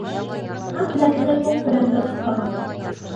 Ас теләнсене туҡ теләнсе ҡыҫтаған.